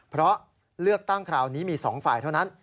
เพราะเลือกตั้งคราวนี้มี๒ฝ่ายเท่านั้น